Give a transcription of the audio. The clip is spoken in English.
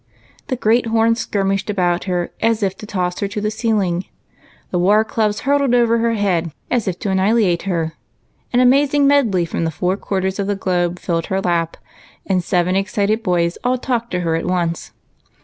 The great horns skirmished about her as if to toss her to the ceiling ; the Avar clubs hurtled over her head as if to annihilate her ; an amazing medley from UNCLE ALECS ROOM. 61 the four quarters of the globe filled her lap, and seven excited boys all talked to her at once.